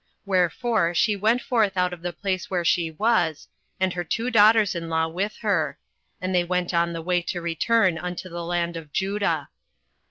08:001:007 Wherefore she went forth out of the place where she was, and her two daughters in law with her; and they went on the way to return unto the land of Judah.